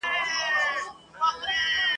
د چنګېز پر کور ناورين ؤ ..